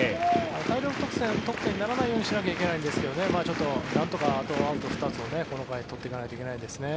大量得点にならないようにしないといけないんですけどなんとか、あとアウト２つをこの回、取っていかないといけないですね。